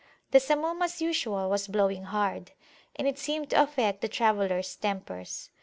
The Samum as usual was blowing hard, and it seemed to affect the travellers tempers.